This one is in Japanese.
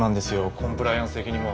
コンプライアンス的にも。